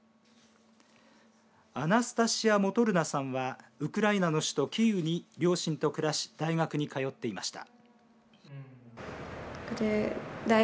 アナスタシア・モトルナさんはウクライナの首都キーウに両親と暮らし大学に通っていました。